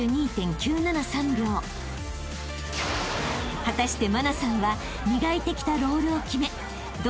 ［果たして茉奈さんは］